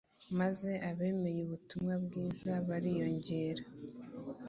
maze abemeye ubutumwa bwiza bariyongera.